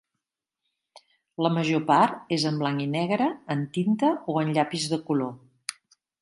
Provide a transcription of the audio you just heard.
La major part és en blanc i negre, en tinta o en llapis de color.